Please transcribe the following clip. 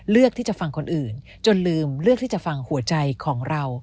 เลือกที่จะฟังคนอื่นจนลืมเลือกที่จะฟังหัวใจของเรา